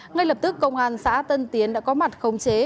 ngay lập tức công an xã tân tiến đã có mặt khống chế